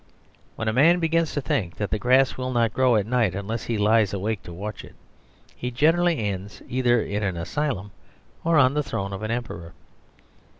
When a man begins to think that the grass will not grow at night unless he lies awake to watch it, he generally ends either in an asylum or on the throne of an Emperor.